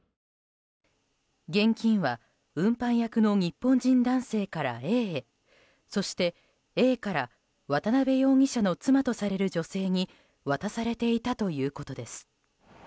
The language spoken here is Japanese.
現金は運搬役の日本人男性からＡへそして、Ａから渡邉容疑者の妻とされる女性に渡されていたということです。